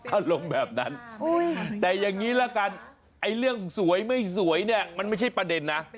อารมณ์แบบนั้นแต่อย่างนี้ละกันไอ้เรื่องสวยไม่สวยเนี่ย